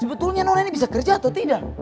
sebetulnya nol ini bisa kerja atau tidak